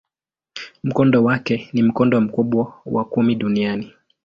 Mkondo wake ni mkondo mkubwa wa kumi duniani.